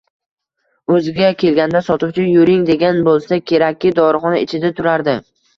O‘ziga kelganida, sotuvchi yuring degan bo‘lsa kerakki, dorixona ichida turardi